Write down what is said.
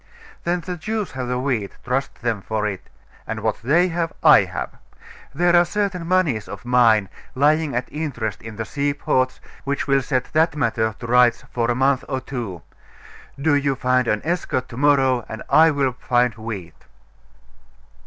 'Then the Jews have the wheat, trust them for it; and what they have I have. There are certain moneys of mine lying at interest in the seaports, which will set that matter to rights for a month or two. Do you find an escort to morrow, and I will find wheat.